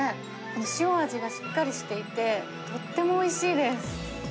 塩味がしっかりしていて、とてもおいしいです。